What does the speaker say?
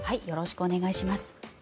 よろしくお願いします。